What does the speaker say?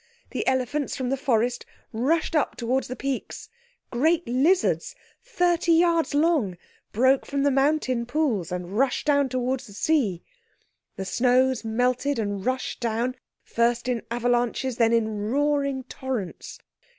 The elephants from the forest rushed up towards the peaks; great lizards thirty yards long broke from the mountain pools and rushed down towards the sea. The snows melted and rushed down, first in avalanches, then in roaring torrents.